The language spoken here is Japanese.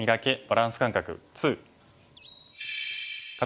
バランス感覚２」。